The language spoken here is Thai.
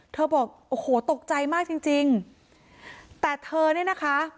บอกโอ้โหตกใจมากจริงจริงแต่เธอเนี่ยนะคะ